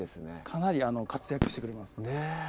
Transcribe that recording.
かなり活躍してくれますねぇ